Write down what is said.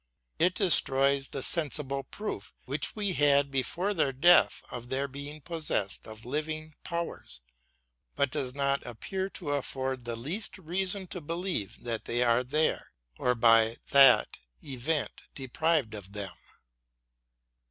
It destroys the sensible proof which we had before their death of their being possessed of living powers, but does not appear to afford the least reason to believe that they are there, or by that event deprived of them.